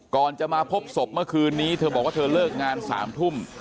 ก่อนจะมาพบศพเมื่อคืนนี้เธอบอกว่าเธอเลิกงาน๓ทุ่ม